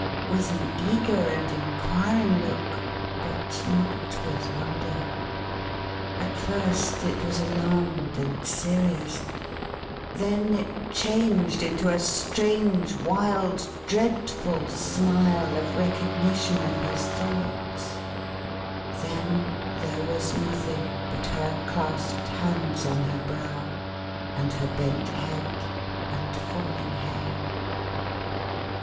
With an eager and enquiring look; but not with wonder. At first it was alarmed and serious; then it changed into a strange, wild, dreadful smile of recognition of his thoughts; then there was nothing but her clasped hands on her brow, and her bent head, and falling hair.